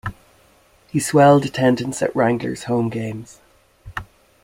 He swelled attendance at Wranglers home games.